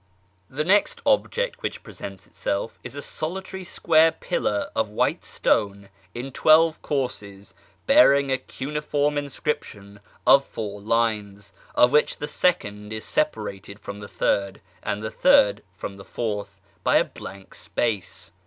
The next object which presents itself is a solitary square pillar of white stone in twelve courses, bearing a cuneiform inscription of four lines, of which the second is separated from the third, and the third from the fourth, by a blank space.